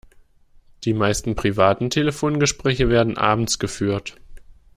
Die meisten privaten Telefongespräche werden abends geführt.